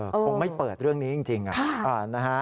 คงไม่เปิดเรื่องนี้จริงนะฮะ